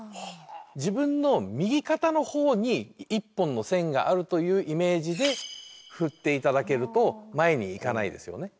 自分の右肩の方に一本の線があるというイメージで振って頂けると前にいかないですよね。